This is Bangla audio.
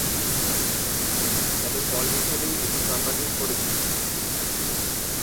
তবে ফল হিসেবেই এটি সর্বাধিক পরিচিত।